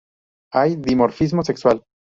Hay dimorfismo sexual.